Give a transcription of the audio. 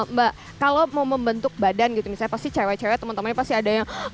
mbak kalau mau membentuk badan gitu misalnya pasti cewek cewek temen temennya pasti ada yang